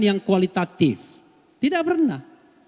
yang kualitatif tidak pernah